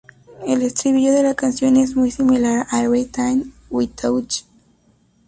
El estribillo de la canción es muy similar a "Everytime We Touch".